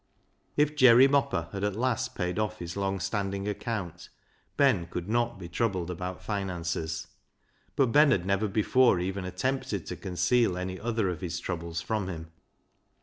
If Jerry Mopper had at last paid off his long standing account, Ben could not be troubled about finances. But Ben had never before even attempted to con ceal any other of his troubles from him.